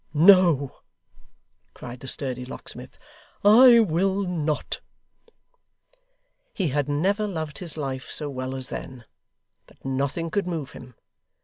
'No,' cried the sturdy locksmith, 'I will not!' He had never loved his life so well as then, but nothing could move him.